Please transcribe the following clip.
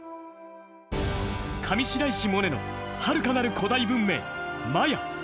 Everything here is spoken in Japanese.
「上白石萌音のはるかなる古代文明マヤ」。